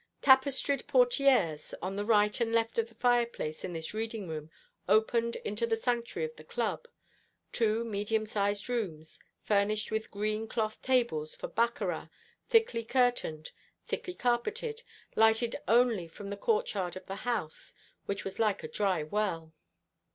Tapestried portières on the right and left of the fireplace in this reading room opened into the sanctuary of the club, two medium sized rooms, furnished with green cloth tables for baccarat, thickly curtained, thickly carpeted, lighted only from the courtyard of the house, which was like a dry well.